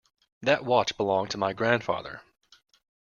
That watch belonged to my grandfather.